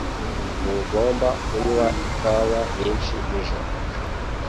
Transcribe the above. Ntugomba kunywa ikawa nyinshi nijoro